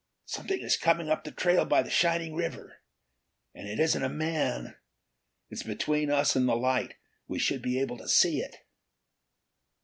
"Something is coming up the trail by the shining river. And it isn't a man! It's between us and the light; we should be able to see it."